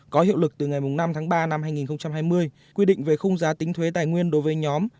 có hiệu lực từ ngày năm tháng ba năm hai nghìn hai mươi quy định về khung giá tính thuế tài nguyên đối với nhóm